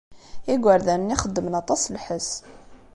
Igerdan-nni xeddmen aṭas n lḥess.